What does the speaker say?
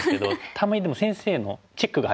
たまにでも先生のチェックが入るんですよ。